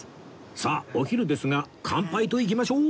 さあお昼ですが乾杯といきましょう！